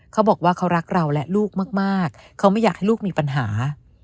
เขาบอกว่าเขารักเราและลูกมากเขาไม่อยากให้ลูกมีปัญหา